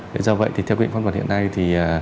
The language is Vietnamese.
thế do vậy thì theo quy định pháp luật hiện nay thì